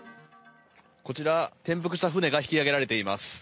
こちら、転覆した舟が引き上げられています。